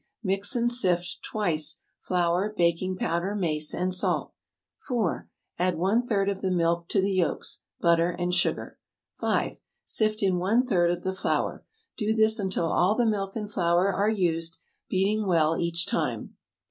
Mix and sift twice flour, baking powder, mace and salt. 4. Add one third of the milk to the yolks, butter and sugar. 5. Sift in one third of the flour. Do this until all the milk and flour are used, beating well each time.